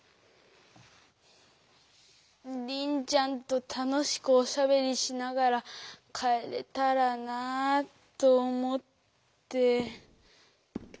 リンちゃんと楽しくおしゃべりしながら帰れたらなと思って。